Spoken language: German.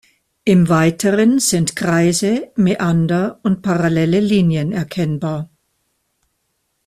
Im Weiteren sind Kreise, Mäander und parallele Linien erkennbar.